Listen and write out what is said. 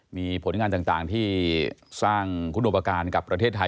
มีผลงานต่างที่สร้างคุณอุปการณ์กับประเทศไทย